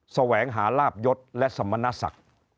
แสวงหาระอาบยศและสภัณฑษักษ์